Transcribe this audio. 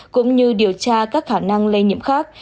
cũng như điều tra các khả năng lây nhiễm khác